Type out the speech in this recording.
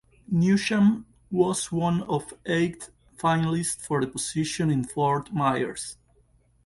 Newsham was one of eight finalists for the position in Fort Myers.